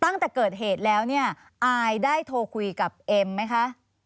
ตั้งแต่เกิดเหตุแล้วเนี่ยอายได้โทรคุยกับเอ็มไหมคะ